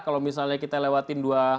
kalau misalnya kita lewatin dua